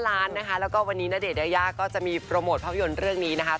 ล้านนะคะแล้วก็วันนี้ณเดชนยายาก็จะมีโปรโมทภาพยนตร์เรื่องนี้นะคะ